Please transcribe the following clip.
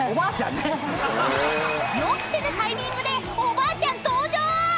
［予期せぬタイミングでおばあちゃん登場！］